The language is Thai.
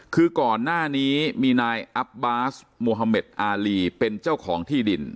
คือก่อนหน้านี้มีนายอับบาสโมฮาเมดอารีเป็นเจ้าของที่ดิน